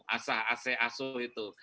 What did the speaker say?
asah ase asuh itu